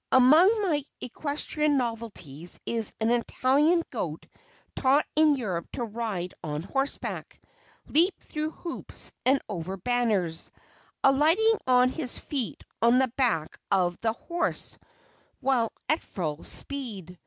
Among my equestrian novelties is an Italian Goat taught in Europe to ride on horseback, leap through hoops and over banners, alighting on his feet on the back of the horse while at full speed.